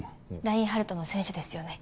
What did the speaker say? ラインハルトの選手ですよね